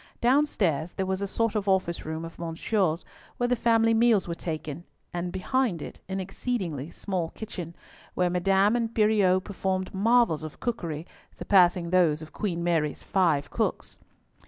Downstairs there was a sort of office room of Monsieur's, where the family meals were taken, and behind it an exceedingly small kitchen, where Madame and Pierrot performed marvels of cookery, surpassing those of Queen Mary's five cooks.